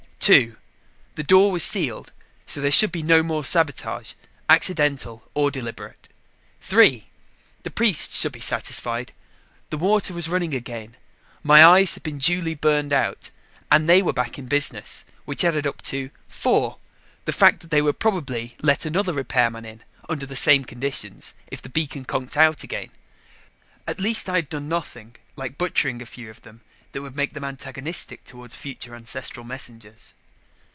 Two: The door was sealed, so there should be no more sabotage, accidental or deliberate. Three: The priests should be satisfied. The water was running again, my eyes had been duly burned out, and they were back in business. Which added up to Four: The fact that they would probably let another repairman in, under the same conditions, if the beacon conked out again. At least I had done nothing, like butchering a few of them, that would make them antagonistic toward future ancestral messengers.